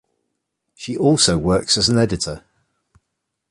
She also works as an editor.